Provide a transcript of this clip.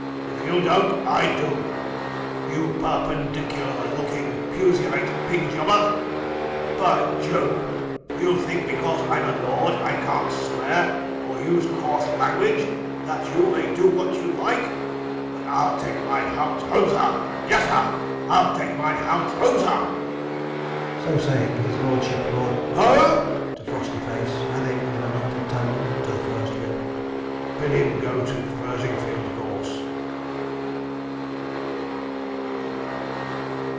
If you don't, I do, you perpendicular looking Puseyite pig jobber! By Jove! you think because I'm a lord, and can't swear, or use coarse language, that you may do what you like but I'll take my hounds home, sir yes, sir, I'll take my hounds home, sir.' So saying, his lordship roared HOME to Frostyface; adding, in an undertone to the first whip, 'bid him go to Furzing field gorse.'